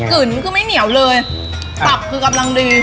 หื้อหื้อกลิ่นมันคือไม่เหนียวเลยตับคือกำลังดี